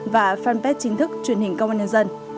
và fanpage chính thức truyền hình công an nhân dân